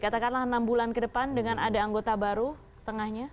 katakanlah enam bulan ke depan dengan ada anggota baru setengahnya